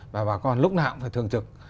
và bà con lúc nào cũng phải thường trực